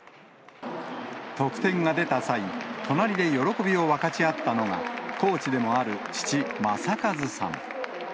得点が出た際、隣で喜びを分かち合ったのが、コーチでもある父、正和さん。